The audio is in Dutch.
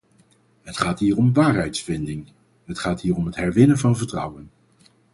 Het gaat hier om waarheidsvinding, het gaat hier om het herwinnen van vertrouwen.